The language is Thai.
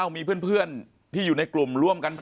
มีเพื่อนที่อยู่ในกลุ่มร่วมกัน